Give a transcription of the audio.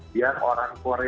biar orang korea